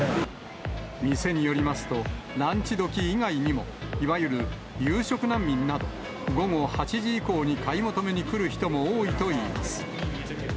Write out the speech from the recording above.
店によりますと、ランチ時以外にも、いわゆる夕食難民など、午後８時以降に買い求めに来る人も多いといいます。